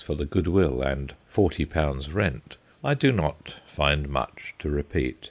for the goodwill, and 40 rent, I do not find much to repeat.